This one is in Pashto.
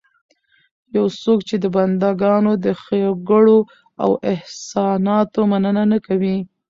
يو څوک چې د بنده ګانو د ښېګړو او احساناتو مننه نه کوي